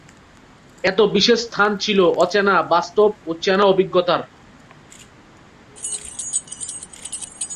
এতে বিশেষ স্থান ছিল অচেনা বাস্তব ও চেনা অভিজ্ঞতার।